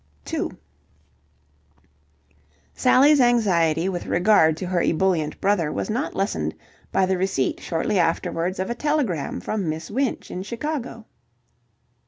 2 Sally's anxiety with regard to her ebullient brother was not lessened by the receipt shortly afterwards of a telegram from Miss Winch in Chicago.